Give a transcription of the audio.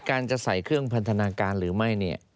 การจะใส่เครื่องพันธนาการหรือไม่